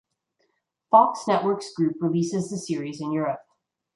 Fox Networks Group releases the series in Europe.